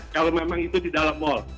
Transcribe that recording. kalau memang itu di dalam mal